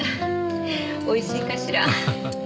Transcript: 美味しいかしら。